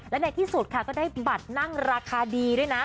และในที่สุดค่ะก็ได้บัตรนั่งราคาดีด้วยนะ